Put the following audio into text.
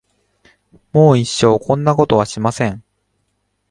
もう一生こんなことはしません。